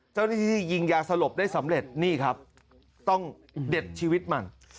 เจ้าหน้าที่ยิงยาสลบได้สำเร็จนี่ครับต้องเด็ดชีวิตมัน